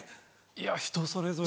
いや人それぞれ。